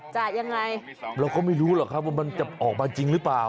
จะยังไงเราก็ไม่รู้หรอกครับว่ามันจะออกมาจริงหรือเปล่า